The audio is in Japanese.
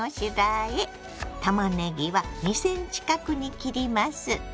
たまねぎは２ｃｍ角に切ります。